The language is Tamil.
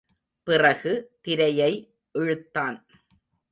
பிறகு திரையை இழுத்தான்.